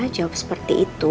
jawab seperti itu